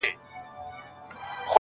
o ژوند د ازموينو لړۍ ده,